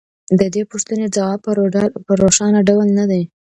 د دې پوښتنې ځواب په روښانه ډول نه دی